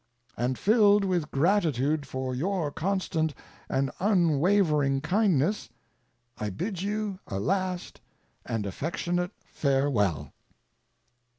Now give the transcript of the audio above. And filled with gratitude for your constant and unwavering kindness, I bid you a last and affectionate farewell.